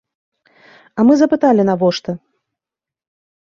А мы запыталі навошта.